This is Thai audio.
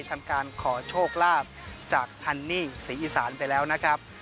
ทำการขอโชคลาภจากฮันนี่ศรีอีสานไปแล้วนะครับ